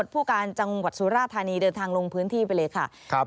ผู้การจังหวัดสุราธานีเดินทางลงพื้นที่ไปเลยค่ะ